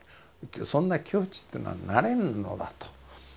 そんな境地ってのはなれんのだと。